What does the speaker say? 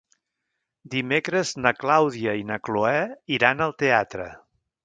Dimecres na Clàudia i na Cloè iran al teatre.